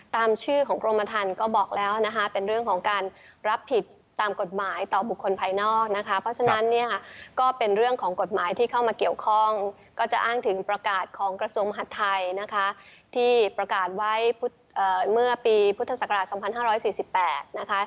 ตั้งถึงประกาศของกระทรวงมหัสไทยที่ประกาศไว้เมื่อปีพุทธศักราช๒๕๔๘